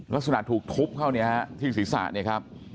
ลักษณะถูกทุบเข้านี้ฮะที่ศิษย์ศาสตร์เนี่ยครับ